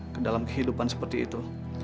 kedalam kehidupan seperti itu